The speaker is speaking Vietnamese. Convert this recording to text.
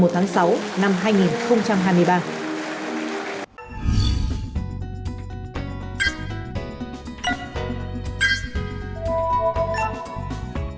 một mươi một tháng sáu năm hai nghìn hai mươi ba